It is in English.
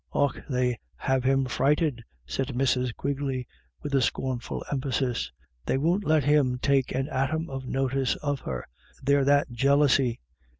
" Och, they have him frighted" said Mrs. Quig ley, with scornful emphasis ;" they won't let him take an atom of notice of her, they're that jealousy.